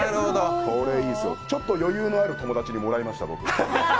ちょっと余裕のある友達にもらいました、僕。